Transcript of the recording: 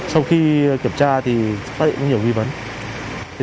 sau khi kiểm tra thì phát hiện nhiều